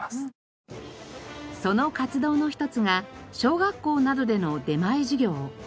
その活動の一つが小学校などでの出前授業。